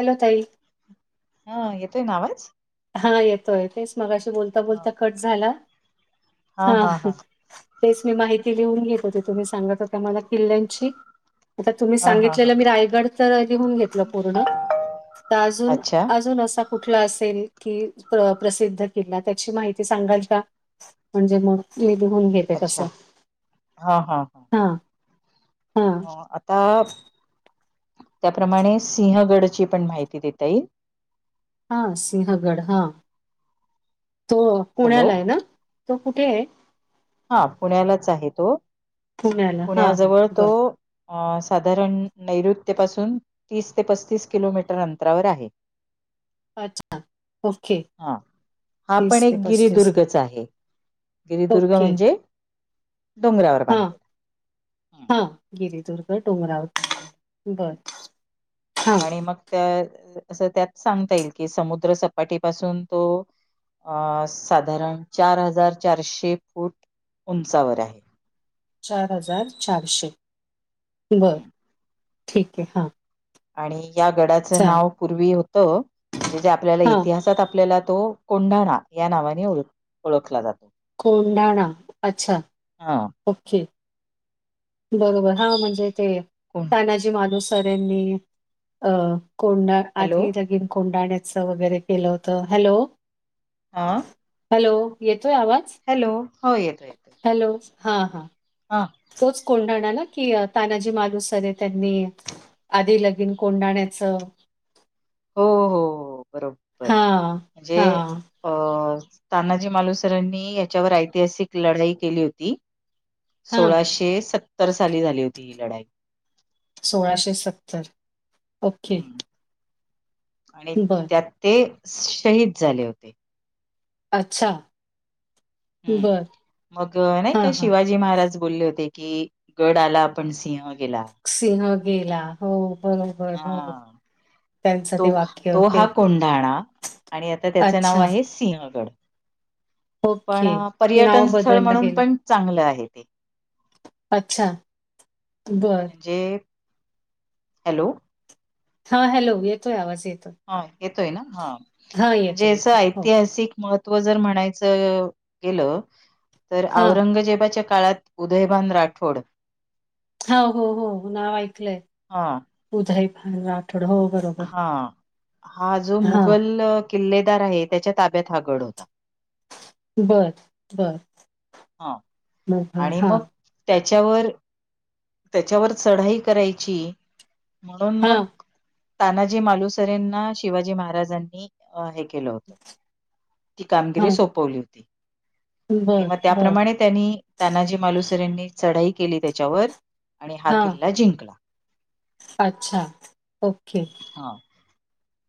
Hello ताई. हां येतोय ना आवाज? हां येतोय. तेच मघाशी बोलता, हा बोलता कट झाला हा हां. हा तेच मी माहिती लिहून घेत होते. तुम्ही सांगत होता मला किल्ल्यांची आता तुम्ही हा हा सांगितलेलं हा मी रायगडच लिहून घेतलं पूर्ण तर अजून, अच्छा अजून असा कुठला असेल कि प्र-प्रसिद्ध किल्ला. त्याची माहिती सांगाल का? म्हणजे मग मी लिहून घेत अच्छा तसं. हा हा [inaudible] हां [inaudible] हां. हा आता [inaudible] त्याप्रमाणे सिंहगडची पण माहिती देता येईल. हां सिंहगड हां. [inaudible] तो हॅलो पुण्याला आहे ना. तो कुठे आहे? हा पुण्यालाच आहे तो. पुण्याला हा हा पुण्याजवळ तो बर अ साधारण नैऋत्यपासून तीस ते पस्तीस किलोमीटर अंतरावर आहे. अच्छा. ओके हां हा पण तीस ते एक पस्तीस गिरिदुर्गचा आहे, गिरिदुर्ग ओके म्हणजे डोंगरावर बांधलेला. हां गिरिदुर्ग डोंगरावर बांधलेला, बर. हा आणि मग त्या असं त्यात सांगता येईल, कि समुद्र सपाटीपासून तो अ.. साधारण चार हजार चारशे फूट उंचावर आहे. चार हजार चारशे.. बरं.. हं. ठीक आहे हा आणि या गडाचं चाल नाव पूर्वी होतं, जे जे आपल्याला हा इतिहासात आपल्याला तो कोंढाणा या नावाने ओ ओळखला जातो. कोंढाणा.. अच्छा हा.. ओके बरोबर, हा म्हणजे ते कोण तानाजी मालुस करेन मी अ.. कोंढ... हॅलो आधी लग्न कोंढाण्याचं च.. वगैरे केलं होत, हॅलो!... आ.. हॅलो!.. येतोय आवाज हॅलो!.. हो येतो येत हॅलो! हा हां हा तोच कोंडाणा ना की.. अ.. तानाजी मालूसरे त्यांनी आधी लगीन कोंडाण्याचं हो हो बरोबर.. बरोबर हा म्हणजे हा अ.. तानाजी मालुसरांनी याच्यावर ऐतिहासिक लढाई केली होती. हा सोळाशे सत्तर साली झाली होती ही लढाई सोळाशे सत्तर ओके हं. आणि बर त्यात ते, शहीद झाले होते. अच्छा हम्म, बरं. मग नाही हां, का हां. शिवा जी महाराज बोलले होते की, गड आला पण सिंह गेला. सिंह गेला, हो बरोबर हो हां. त्यांचं ते तो.. वाक्य तो ते हा कोंढाणा, आणि आता त्याच नाव अच्छा. आहे. सिंहगड.. पण.. ओके. पर्यटन नाव स्थळ बदललं म्हणून गेलं. पण चांगलं आहे ते अच्छा.. बर जे.. हॅलो! हा हॅलो येतोय आवाज, येतोय हा येतोय ना हा.. हां, म्हणजे येतोय, याच येतोय. हो. ऐतिहासिक महत्व व जर म्हणायचं. गेलं, तर हां. औरंगजेबाच्या काळात उदयभान राठोड हो हो हो नाव ऐकलंय, हा उदयभान राठोड हो बरोबर हा हा जो हां. मुघल किल्लेदार आहे, त्याच्या ताब्यात हा गड होता. बर बर- हा, आणि मग त्याच्यावर त्याच्यावर चढाई करायचीय, म्हणून मग हां, तानाजी मालुसरेंना शिवाजी महाराजांनी अ हे केलं होतं, ती कामगिरी हां. सोपवली होती. आणि बरं, मग बरं. त्याप्रमाणे त्यांनी तानाजी मालुसरेनी चढाई केली त्याच्यावर आणि हा हां. किल्ला जिंकला. अच्छा.. ओ. के हा.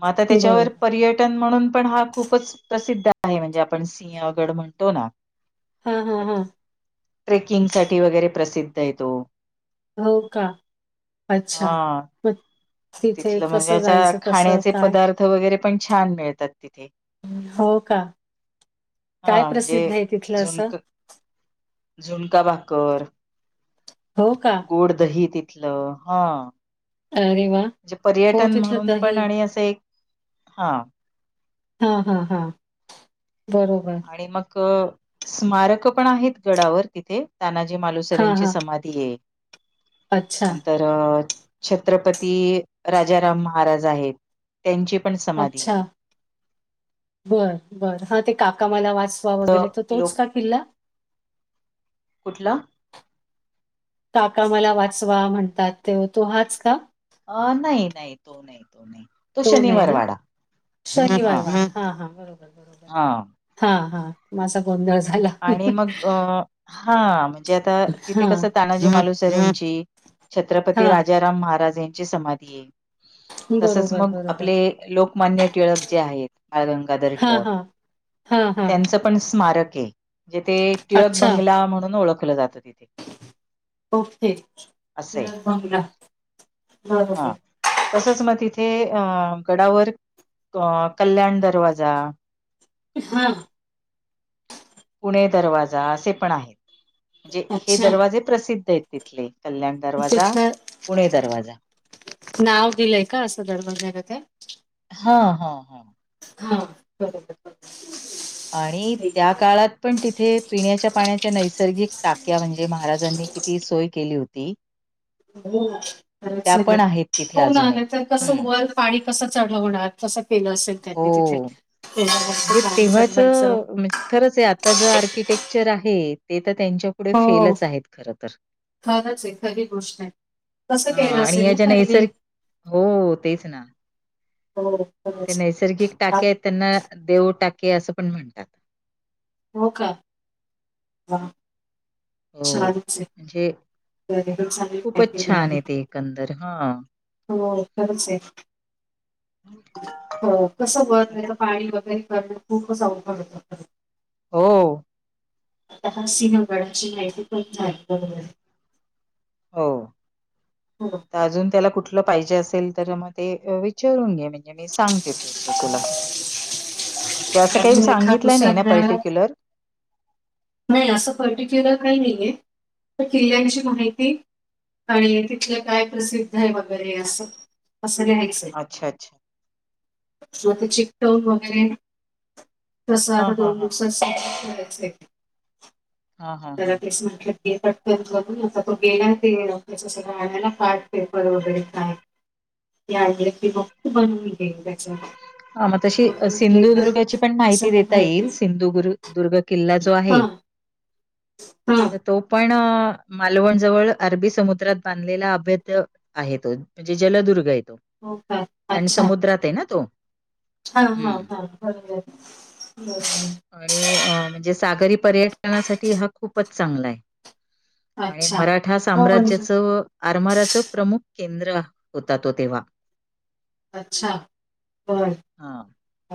मग आता त्याच्यावर पर्यट. म्हणून पण हा खूपच प्रसिद्ध आहे म्हणजे आपण सिंहगड म्हणतो ना. ह ह ह ट्रेकिंगसाठी वगैरे प्रसिद्ध तो हो का अच्छा हा म तिथलं म्हणजेच्या खाण्याचे काय पदार्थ वगैरे पण छान मिळतात तिथे. हो का काय हा प्रसिद्ध म्हणजे आहे तिथलं असं. झुणक झुणका भाकरर हो का गोड दही तिथलं हा.. अरे वा म्हणजे हो पर्यटन तिथलं म्हणून दही पण आणि असं एक.. हा हा हा हा बरोबर आणि मग स्मारक पण आहेत गडावर तिथे. तानाजी मालुसरे हा यांची हा समाधी आहे अच्छा नंतर अ छत्रपती राजाराम महाराज आहेत त्यांची पण समाधी अच्छा आहे बर बर हा ते काका मला वाच वगैरे तोच लोक का किल्ला. कुठलं काका मला वाचवा म्हणतात ते तो हाच का. अ नाही नाही तो नाही तो नाही. तो नाही शनिवार ना वाडा शनिवार हा हा बरोबर बरोबर. हा हा हा माझा गोंधळ झाला आणि मग अ हा म्हणजे आता तिथे हा कसं तानाजी मालुसर यांची. छत्रपती हा राजाराम महाराज यांची समाधी आहे तसच बरोबर मग बरोबर आपले. लोकमान्य टिळक जे आहेत बाळगंगाधर हा टिळक हा हा हा त्यांच. पण स्मारक आहे म्हणे ते टिळक अच्छा बंगला म्हणून ओळखलं जातं तिथे ओके असं आहे. बंग बरोबर. तसच मग तिथे अ गडावर अ कल्याण दरवाजा. हा पुणे दरवाजा असे पण आहेत म्हणजे हे अच्छा दरवाजे प्रसिद्ध आहेत तिथले. कल्याण दरवाजा तिथलं पुणे दरवाजा नाव दिलंय का असं दडबडण्या का त्या. हा हा ह हा बरोबर आणि ठीक त्या काळात पण तिथे पिण्याच्या पाण्याच्या नैसर्गिक टाक्या म्हणजे महाराजांनी. किती सोय केली होती [unintelligible] हो बरच त्या आहे ना पण आहेत तिथे हो ना अजूनही. नाही तरर कसं हं. वर पाणी कसं चढवणार. तसं केलं असेल त्यांनी तिथे हो. म्हणजे म्हणम सन म्हणच. तेव्हाचं म्हणजे खरंच आहे आता ज आर्किटेक्चर आहे ते तर त्यांच्या. पुढे हो फेलच आहेत खर तर खरंच आहे खरी गोष्ट आहे कसं हा केलं आणि असेल ना याच्या त्यांनी नैसर्ग [inaudible] हो तेच ना हो ते खरंच नैसर्गिक आ- टाके आहेत त्यांना देव टाके असं पण म्हणतात हो का? हां हो. चालूच म्हणजे आहे खूपच छान आहे ते एकंदर. हां. [inaudible] हो, खरंच आहे [inaudible] हो कसं वर नाही पाणी वगैरे करण खूपच अवघड होतो हो आता सिहगडाची माहिती पण [unintelligible] हो हो. अजून त्याला कुठलं पाहिजे असेल तर मग ते विचारून घे म्हणजे मी सांगते तुस तुला म्हणजे असं काही अजून सांगितलं एका-दुसरा नाही ना मिळाला पर्टिक्युलर नाही असं पर्टिक्युलर काही नाही आहेे तर किल्ल्यांची माहिती आणि तिथलं काय प्रसिद्ध आहे वगैरे असं, असं लिहायचं अच्छा अच्छा मग ते चिकटकव [unintelligible] वगैरे कसा हा आता हा दोन दु हा हा हा हा. त्याला तेस म्हटलं ते पटकण करून आता तो गेला ते सगळं आणायला पार्ट पेपर वगैरे काय या ते [unintelligible] बघत बनून घेल त्याच्या ह मग तशी म्हटलं एकदा सिंधुदुर्गाची पण माहिती सगळं देता माहिती येईल सिंधुुदुर्ग किल्ला जो हा आहे हा तर तो पण मालवण जवळ अरबी समुद्रात बांधलेला अभैद आहे तो म्हणजे जलदुर्ग आहे तो हो का आणि अच्छा समुद्रात आहे ना तो हा हा हम्म. हा बरोबर आहे, वय आणि म्हणजे सागरी पर्यटनासाठी हा खूपच चांगला आहे आणि अच्छा. मराठा हो म्हणजे साम्राज्याचं आरमाराच प्रमुख केंद्र होता तो तेव्हा अच्छा बर हां. [inaudible]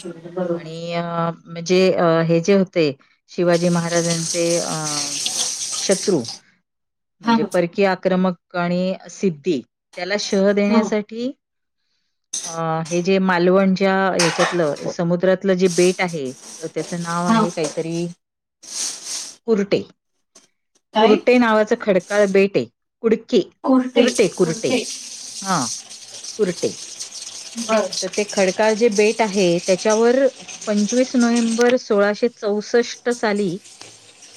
बरोबर आणि म्हणजे हे जे होते शिवाजी महाराजांचे अ शत्रु हां. म्हणजे परकीय आक्रमक आणि सिद्धी त्याला शह हां. देण्यासाठी अ हे जे मालवण ज्या ह्याच्यातलं समुद्रातलं जे बेट आहे त्याचं नाव हां. आहे काहीतरी कुर्टे काय? कुरटे नावाचं खडकाळ बेट आहे कुडके कुर्ते. कुरटे कुरटे कुर्ते. हा कुरटे बर. तर ते खडकार जे बेट आहे त्याच्यावर पंचवीस नोव्हेंबर सोळाशे चौसष्ट साली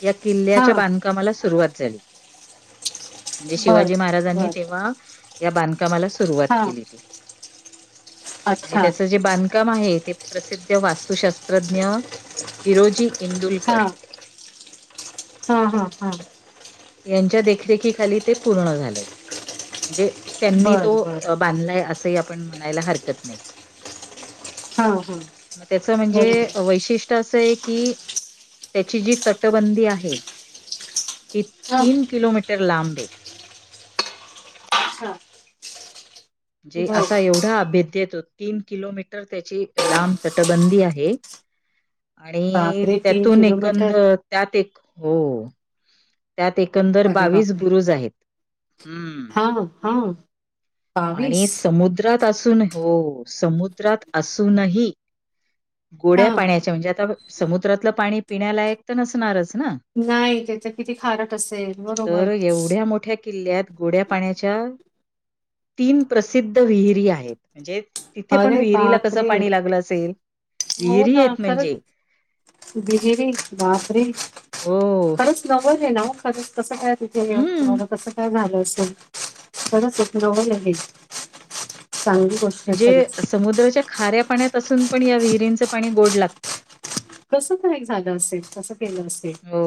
या किल्ल्याच्या हां. बांधकामाला सुरुवात झाली म्हणजे बर. शिवाजी महाराजांनी बर. तेव्हा या बांधकामाला सुरुवात हां. केली ती आणि अच्छा. त्याचं जे बांधकाम आहे ते प्रसिद्ध वास्तुशास्त्रज्ञ हिरोजी हा, इंदुलकर हा हा हा यांच्या देखरेखीखाली ते पूर्ण झालेय म्हणजे. त्यांनी तो बर. बर. बांधलाय असंही आपण म्हणायला हरकत नाही. हां. हां. मग त्याच म्हणजे बरोबर. वैशिष्ट्य असं आहे की त्याची जी तटबंदी आहे ती हां. तीन किलोमीटर लांब आहे अच्छा. म्हणजे बर. असा एवढा अभेद येतो तीन किलोमीटर त्याची लांब तटबंदी आहे. आणि बापरे तीन त्यातून किलोमीटर. एकंदर त्यात एक हो. त्यात एकंदर अरे बावीस बापरे. बुरुज आहेत हम्म.. हां. हां. बावीस. आणि समुद्रात असून हो समुद्रात असूनही गोड्या हां. पाण्याच्या म्हणजे आता समुद्रातलं पाणी पिण्यालायक तर नसणारच ना नाही त्याचा किती खारट असेल बरोबर. तर एवढ्या मोठ्या किल्ल्यात गोड्या पाण्याच्या तीन प्रसिद्ध विहिरी आहेत म्हणजे. तिथे पण अरे विहिरीला कसं बापरे. पाणी लागलं असेल विहिरी आहेत म्हणजे. बिरी बाप रे हो. खरंच नवल आहे ना मग खरंच कसं काय तिथे येन हम्म तुम्हा कसं काय झालं असेल. खरंच एक नवल आहे चांगली गोष्ट. आहे म्हणजे खरंच. समुद्राच्या खऱ्या पाण्यात असून पण या विहिरींचं पाणी गोड लागतं. कस तर एक झालं असेल कसं केलं असे. हो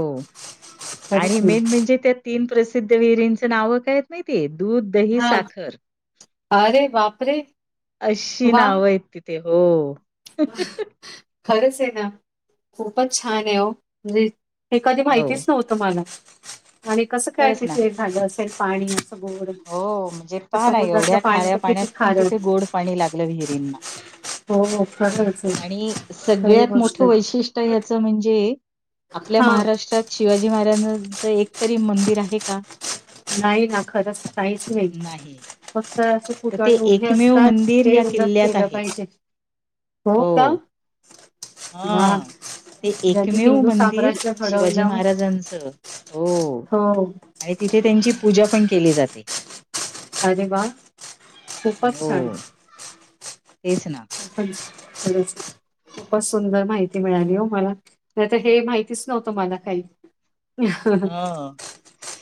आणि मेन म्हणजे त्या तीन प्रसिद्ध विहिरींचं नाव काय? माहितीय दूध दही हां. साखर अरे बापरे. अशी वाह! नावं आहेत तिथे हो.. खरंच आहे ना खूपच छान आहे म्हणजे हे कधी हो माहितीच नव्हत मला आणि कस काय खरंच ना. तिथे झालं असेल पाणी गोड? हो म्हणजे तर पहा ना समुद्रातलं एवढ्या पाणी खाऱ्या तर पाण्यात किती पण तिथे खारट. गोड पाणी लागत विहिरीना हो, हो, खरंच आहे. आणि खरी सगळ्यात मोठ गोष्ट आहे. वैशिष्ट्य. ह्याच म्हणजे आपल्या हां. महाराष्ट्रात शिवाजी महाराजांचं एकतरी मंदिर आहे का? नाही ना खरंच काहीच नाही फक्त तर ते कुतणे उभे एकमेव असतात मंदिर ते या उलट किल्ल्यात केलं आहे. पाहिजे हो का हा. हां. ते एकमेव मंदिर शिवाजी घडवलं महाराजांचं हो हो आणि तिथे त्यांची पूजा पण केली जाते. अरे वा खूपच छान. हो. तेच ना. खरंच. खूपच सुंदर माहिती मिळाली हो मला नाही तर हे माहितीच नव्हतं मला काही. हं.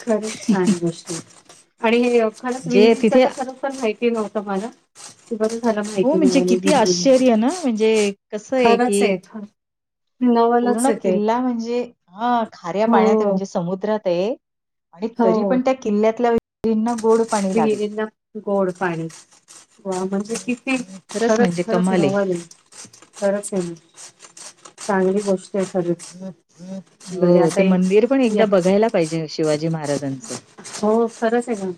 खर छान गोष्ट आणि हे. खरंच विहिरी म्हणजे च तिथे तर खरं तर माहिती नव्हतं मला ती बर झालं हो माहिती म्हणजे मिळाली किती विहिरी आश्चर्य ना म्हणजे कसं खरंच की आहे हो. पूर्ण किल्ला म्हणजे ह खऱ्या पाण्यात हो म्हणजे समुद्रात. आणि तरी हो पण त्या किल्ल्यातल्या विहिरीना ना गोड पाणी लागलं. विहिरीला गोड पाणी म्हणजे किती खरंच खरंच कमाल ये. खरच आहे चांगली गोष्ट आहे खरी. हो ते मंदिर पण एकदा बघायला पाहिजे शिवाजी महाराजांचं. हो खरच आहे ग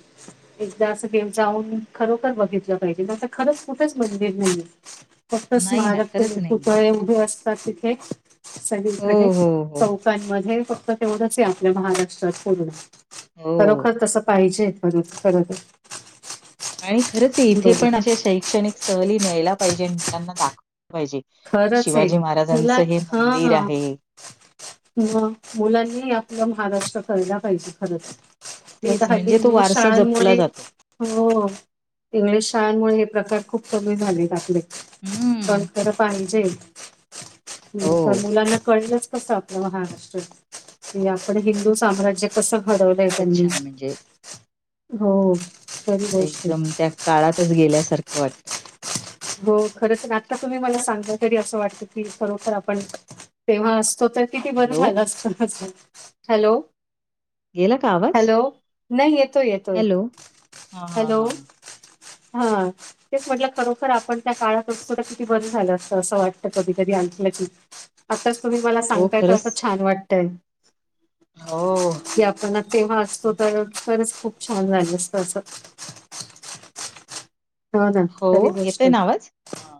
एकदा असं जाऊन खरोखर बघितलं पाहिजें खरंच कुठंच मंदिर नाहीये फक्त नाही ना स्मारक ते खरंच नाहीये. पुतळे उभे असतात तिथे सग हो, कडे हो, हो, चौकांमध्ये फक्त तेवढंच आहे आपल्या महाराष्ट्रात पूर्ण हो. लवकर तस पाहिजे पर खर तर आणि खरंच इथे पण अशा शैक्षणिक सहली न्यायला पाहिजे मुलांना दाखवाल्या पाहिजे. की खरंच आहे शिवाजी तुला महाराजांचं हे हा मंदिर ह, आहे. म मुलांनीही आपलं महाराष्ट्र कळला पाहिजे खरंच. नाही तेच तर हल्ली म्हणजे तो इंग्लिश वारसा जपला शाळांमुळे जातो. हो इंग्लिश शाळांमुळे हे प्रकार खूप कमी झालेत आपले हम्म पण खर पाहिजे हो. मुलांना कळलं कस आपलं महाराष्ट्रात आपण हिंदू साम्राज्य बापरे! कसं घडवलंय खूपच त्यांनी छान म्हणजे हो खरी गोष्ट आहे. एकदम त्या काळातच गेल्यासारखं वाटतं. हो खरच आता तुम्ही मला सांगलं तरी असं वाटतं की खरोखर आपण तेव्हा असतो तर? किती बरं हॅलो, झालं असत. हॅलो? गेला का आवाज? हॅलो? नाही येतोय, येतोय. हॅलो. हा हा हॅलो? हा हा तेच म्हटलं खरो आपण त्या काळात असतो तर किती बरं झालं असतं, असं वाटत कधी कधी आणखलं की. आताच तुम्ही मला हो सांगताय तर खरंच असं छान वाटतंय. हो की आपण तेव्हा असतो तर खरंच खूप छान झाल असत असं. ना, हो खरी गोष्ट येतोय ना आहे. आवाज? हा